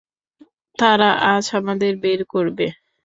তারা আজ আমাদের বের করবে।